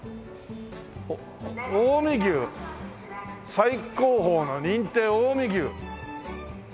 近江牛「最高峰の認定近江牛」。